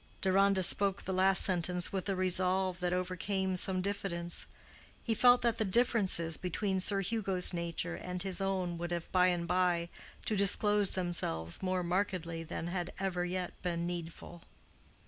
Deronda spoke the last sentence with a resolve that overcame some diffidence. He felt that the differences between Sir Hugo's nature and his own would have, by and by, to disclose themselves more markedly than had ever yet been needful.